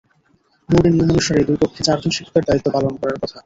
বোর্ডের নিয়ম অনুসারে দুই কক্ষে চারজন শিক্ষকের দায়িত্ব পালন করার কথা।